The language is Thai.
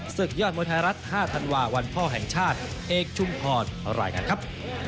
ศึกยอดมวยไทยรัฐ๕ธันวาวันพ่อแห่งชาติเอกชุมพรรายงานครับ